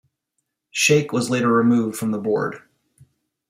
Shaikh was later removed from the board.